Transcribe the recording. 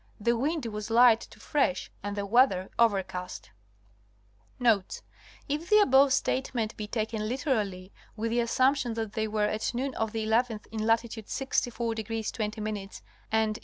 The wind was light to fresh and the weather overcast (L.). Notes.—If the above statement be taken literally with the assumption that they were at noon of the 11th in latitude 64° 20' and E.